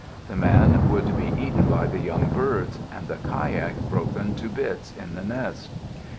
The man would be eaten by the young birds, and the kayak broken to bits in the nest.